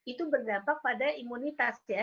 itu berdampak pada imunitas ya